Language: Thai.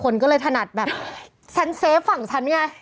คนก็เลยถนัดแบบฉันเซฟฝั่งฉันไง